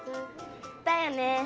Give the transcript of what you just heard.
だよね。